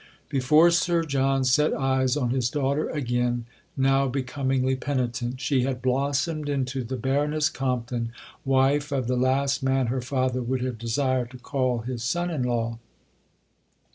Before Sir John set eyes on his daughter again now becomingly penitent she had blossomed into the Baroness Compton, wife of the last man her father would have desired to call his son in law.